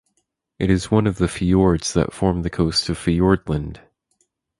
It is one of the fiords that form the coast of Fiordland.